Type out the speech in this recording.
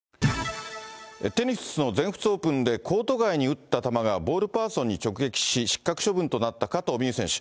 テニスの全仏オープンでコート外に打った球がボールパーソンに直撃し、失格処分となった加藤未唯選手。